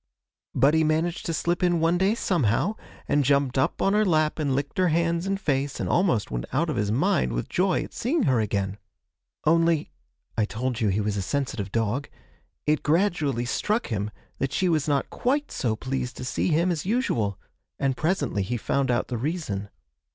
But he managed to slip in one day somehow, and jumped up on her lap and licked her hands and face, and almost went out of his mind with joy at seeing her again. Only (I told you he was a sensitive dog) it gradually struck him that she was not quite so pleased to see him as usual and presently he found out the reason.